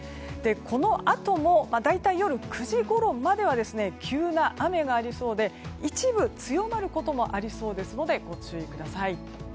このあとも大体、夜９時ごろまでは急な雨がありそうで、一部強まることもありそうですのでご注意ください。